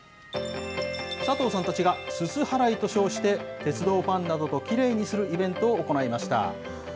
佐藤さんたちがすす払いと称して、鉄道ファンなどときれいにするイベントを行いました。